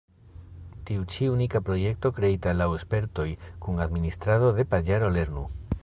Tiu ĉi unika projekto kreita laŭ spertoj kun administrado de paĝaro lernu!